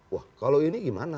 wah kalau ini gimana